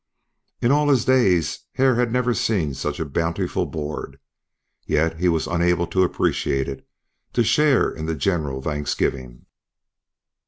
In all his days Hare had never seen such a bountiful board. Yet he was unable to appreciate it, to share in the general thanksgiving.